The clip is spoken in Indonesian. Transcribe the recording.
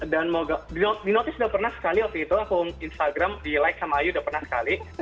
dan di notice udah pernah sekali waktu itu aku instagram di like sama iu udah pernah sekali